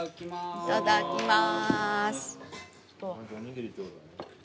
「いただきます」。